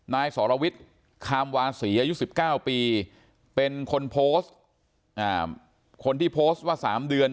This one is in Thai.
นายสรวิทย์คามวาศีอายุ๑๙ปีเป็นคนโพสต์คนที่โพสต์ว่า๓เดือน